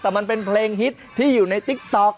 แต่มันเป็นเพลงฮิตที่อยู่ในติ๊กต๊อก